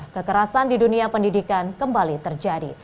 kekerasan di dunia pendidikan kembali terjadi